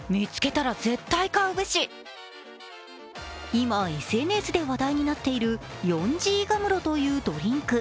今、ＳＮＳで話題になっているヨンジーガムロというドリンク。